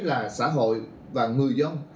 là xã hội và người dân